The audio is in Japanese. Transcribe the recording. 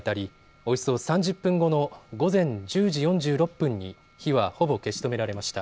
およそ３０分後の午前１０時４６分に火はほぼ消し止められました。